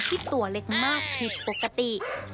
ตัวเล็กมากผิดปกติ